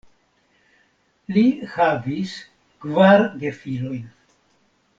Li havis kvar gefilojn.